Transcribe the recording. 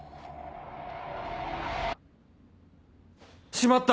しまった！